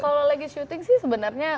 kalau lagi syuting sih sebenarnya